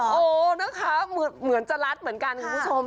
โอ้นะคะเหมือนจะรัดเหมือนกันคุณผู้ชม